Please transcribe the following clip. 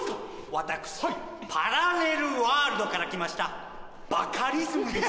私パラレルワールドから来ましたバカリズムです